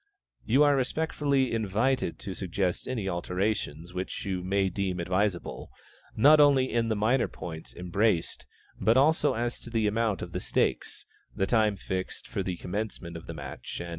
You are respectfully invited to suggest any alterations which you may deem advisable, not only in the minor points embraced, but also as to the amount of the stakes, the time fixed for the commencement of the match, &c.